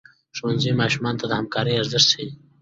ښوونځی ماشومانو ته د همکارۍ ارزښت ښيي.